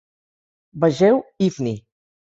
Vegeu Ifni.